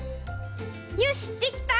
よしできた！